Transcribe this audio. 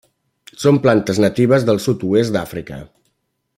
Són plantes natives del sud-oest d'Àfrica.